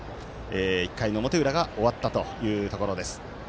１回の表裏が終わったというところです。